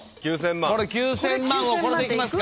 ９，０００万をこれでいきますか？